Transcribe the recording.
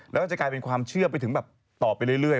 แล้วก็จะกลายเป็นความเชื่อไปถึงแบบต่อไปเรื่อย